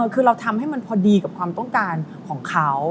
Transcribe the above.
คือเราทำให้มันพอดีกับความต้องการของเขา